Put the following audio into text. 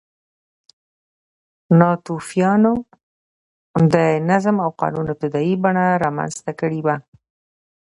ناتوفیانو د نظم او قانون ابتدايي بڼه رامنځته کړې وه